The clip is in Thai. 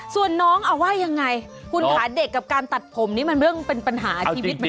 ส่วนน้องเอาว่ายังไงคุณค่ะเด็กกับการตัดผมนี่มันเรื่องเป็นปัญหาชีวิตเหมือนกัน